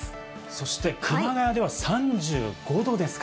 そして熊谷では３５度ですか。